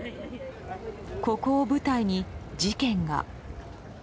ここを舞台に事件が。